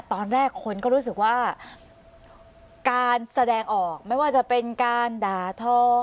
ตอนแรกคนก็รู้สึกว่าการแสดงออกไม่ว่าจะเป็นการด่าทอ